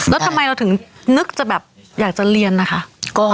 แล้วทำไมเราถึงนึกจะแบบอยากจะเรียนนะคะ